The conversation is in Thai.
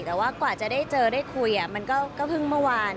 แต่ว่ากว่าจะได้เจอได้คุยมันก็เพิ่งเมื่อวาน